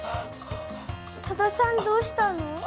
多田さんどうしたの？